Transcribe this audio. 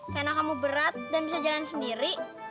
karena kamu berat dan bisa jalan sendiri